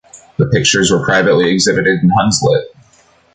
The pictures were privately exhibited in Hunslet.